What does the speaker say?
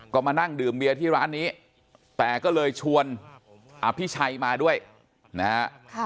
ก็มานั่งดื่มเบียร์ที่ร้านนี้แต่ก็เลยชวนอภิชัยมาด้วยนะฮะ